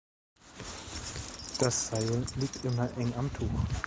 Das Seil liegt immer eng am „Tuch“.